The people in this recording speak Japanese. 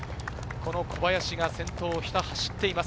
小林が先頭をひた走っています。